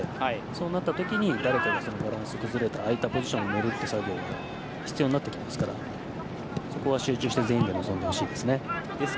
そうなった時に、誰かがバランスが崩れて空いたポジションを埋める作業が必要になりますのでそこは集中して全員で臨んでほしいです。